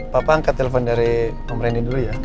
papa angkat telepon dari om reni dulu ya